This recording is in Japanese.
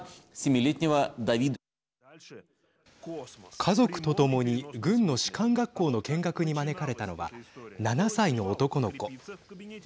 家族と共に軍の士官学校の見学に招かれたのは７歳の男の子。